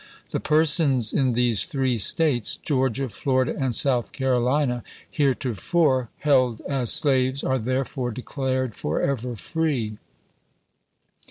The persons in these three States — w. R. ■ Georgia, Florida, and South Carolina — heretofore Vol. XIV., ^'' p. 341. held as slaves are therefore declared forever free."